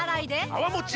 泡もち